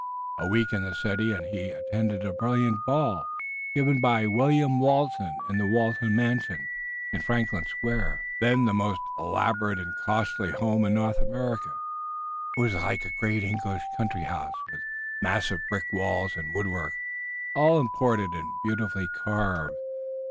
A week in the city and he attended a brilliant ball given by William Walton in the Walton mansion, in Franklin Square, then the most elaborate and costly home in North America. It was like a great English country house, with massive brick walls and woodwork, all imported and beautifully carved.